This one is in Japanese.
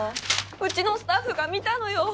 うちのスタッフが見たのよ。